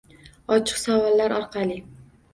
Ochiq savollar orqali.